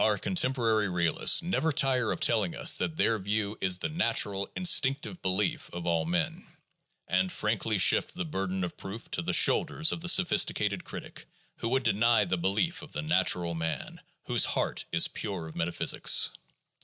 396. PSYCHOLOGY AND SCIENTIFIC METHODS 367 contemporary realists never tire of telling us that their view '' is the natural, instinctive belief of all men, '' 2 and frankly shift the burden of proof to the shoulders of the sophisticated critic who would deny the belief of the "natural man" whose heart is pure of metaphysics.